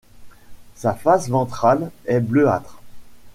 Sa face ventrale est bleuâtre.